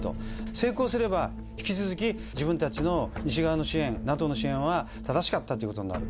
成功すれば、引き続き自分たちの西側の支援、ＮＡＴＯの支援は正しかったということになる。